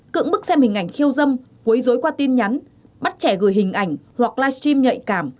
cưỡng bức xem hình ảnh khiêu dâm quấy dối qua tin nhắn bắt trẻ gửi hình ảnh hoặc live stream nhạy cảm